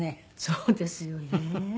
そうですよね。